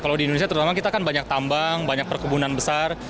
kalau di indonesia terutama kita kan banyak tambang banyak perkebunan besar